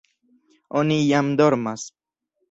Oni jam dormas.